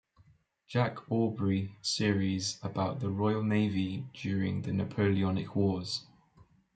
Jack Aubrey series about the Royal Navy during the Napoleonic Wars.